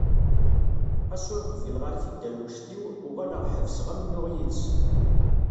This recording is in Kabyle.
Xas ur qbileɣ ara tidderwect-iw uɣaleɣ ḥebseɣ amennuɣ yid-s.